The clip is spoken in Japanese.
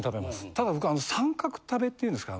ただ僕は三角食べっていうんですか。